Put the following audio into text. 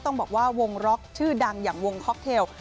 ต้องบอกว่าวงล็อกชื่อดังอย่างวงค็อกเทล